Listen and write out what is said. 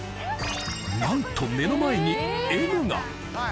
なんと目の前にＭが。